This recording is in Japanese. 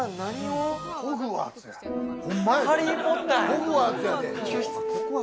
ホグワーツや。